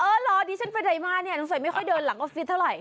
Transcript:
เออเหรอนี่ฉันไปไหนมานี่นักศัพท์ไม่ค่อยเดินหลังออฟฟิศเท่าไหร่